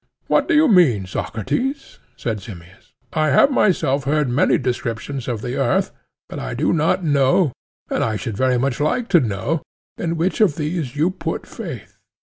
What do you mean, Socrates? said Simmias. I have myself heard many descriptions of the earth, but I do not know, and I should very much like to know, in which of these you put faith.